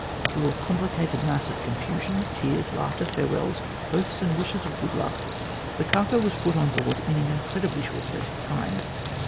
Through a complicated mass of confusion, tears, laughter, farewells, oaths, and wishes of good luck, the cargo was put on board in an incredibly short space of time.